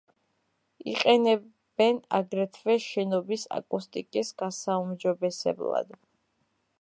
იყენებენ აგრეთვე შენობის აკუსტიკის გასაუმჯობესებლად.